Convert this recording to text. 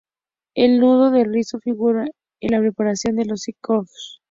El nudo de rizo figura en la preparación de los scouts.